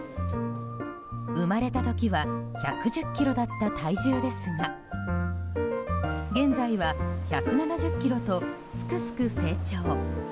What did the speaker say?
生まれた時は１１０ｋｇだった体重ですが現在は１７０ｋｇとすくすく成長。